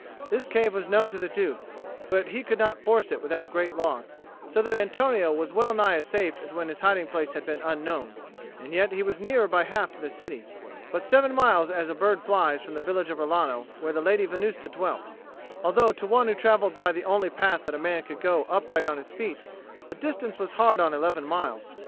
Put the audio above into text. This cave was known to the Duke, but he could not force it without great loss, so that Antonio was well nigh as safe as when his hiding place had been unknown; and yet he was nearer by half to the city, and but seven miles as a bird flies from the village of Rilano where the Lady Venusta dwelt; although to one who travelled by the only path that a man could go upright on his feet the distance was hard on eleven miles.